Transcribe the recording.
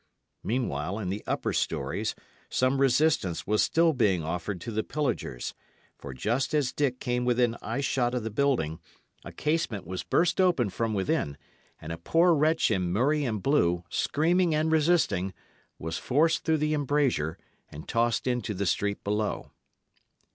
Meanwhile, in the upper storeys, some resistance was still being offered to the pillagers; for just as Dick came within eyeshot of the building, a casement was burst open from within, and a poor wretch in murrey and blue, screaming and resisting, was forced through the embrasure and tossed into the street below.